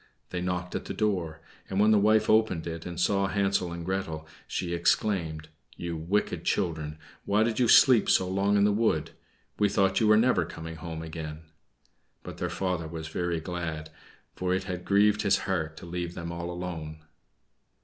They knocked at the door, and when the wife opened it and saw Hansel and Gretel, she exclaimed, "You wicked children! why did you sleep so long in the wood? We thought you were never coming home again." But their father was very glad, for it had grieved his heart to leave them all alone.